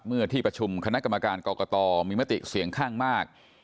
เมื่อที่ประชุมคณะกรรมการกรกตมีมติเสียงข้างมาก